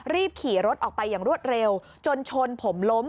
รีบขี่รถออกไปอย่างรวดเร็วจนชนผมล้ม